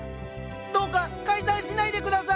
どうか解散しないで下さい！